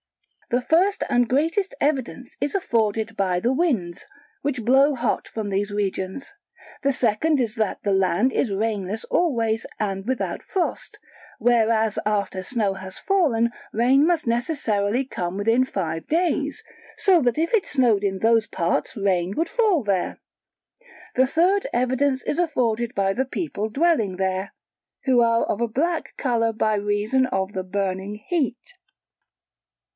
The first and greatest evidence is afforded by the winds, which blow hot from these regions; the second is that the land is rainless always and without frost, whereas after snow has fallen rain must necessarily come within five days, so that if it snowed in those parts rain would fall there; the third evidence is afforded by the people dwelling there, who are of a black colour by reason of the burning heat.